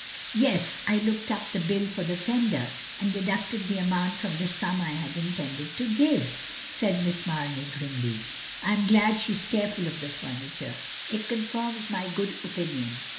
"Yes. I looked up the bill for the fender, and deducted the amount from the sum I had intended to give," said Miss Mamey grimly. "I am glad she is careful of the ftimiture. It confirms my good opinion.